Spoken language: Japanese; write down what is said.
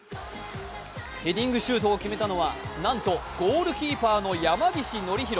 ヘディングシュートを決めたのは、なんとゴールキーパーの山岸範宏。